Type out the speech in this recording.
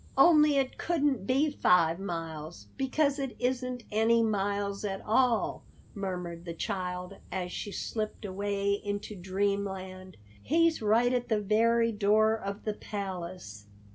] "Only it couldn't be five miles, because it isn't any miles at all," murmured the child, as she slipped away into dreamland. "He's right at the very door of the Palace."